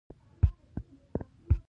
د وانیلا ګل د څه لپاره وکاروم؟